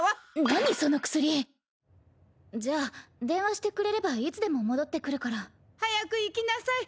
何その薬？じゃあ電話してくれればいつでも戻ってくるから。早く行きなさい！